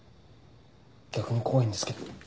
逆に怖いんですけど。